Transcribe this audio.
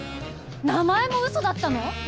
名前も嘘だったの！？